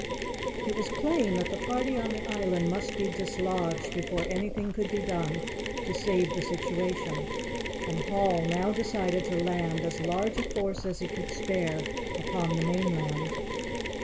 It was plain that the party on the island must be dislodged before anything could be done to save the situation, and Hall now decided to land as large a force as he could spare upon the mainland.